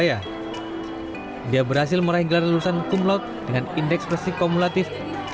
ketika berhasil berhasil meraih gelar lulusan kumlot dengan indeks proses kumulatif tiga sembilan puluh empat